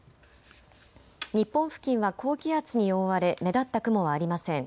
日本付近は高気圧に覆われ目立った雲はありません。